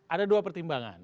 ada dua pertimbangan